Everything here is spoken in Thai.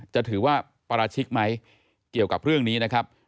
จะถือว่าปราชิกไหมเกี่ยวกับเรื่องนี้นะครับ